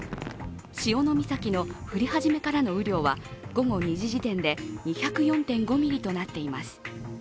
潮岬の降り始めからの雨量は午後２時時点で２０４．５ミリとなっています。